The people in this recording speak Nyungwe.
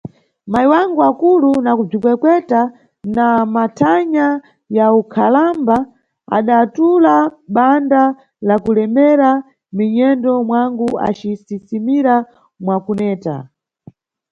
Mayi wangu akulu na kubzikwekweta na mathanya ya unkhalamba, adatula banda la kulemera mʼminyendo mwangu acisisima mwa kuneta.